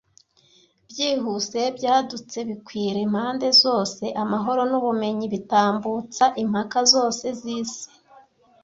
Byihuse byadutse bikwira impande zose amahoro n'ubumenyi bitambutsa impaka zose z'isi,